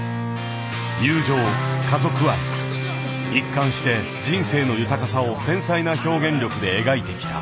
友情家族愛一貫して人生の豊かさを繊細な表現力で描いてきた。